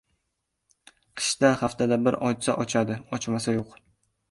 Qishda haftada bir ochsa ochadi, ochmasa yo‘q.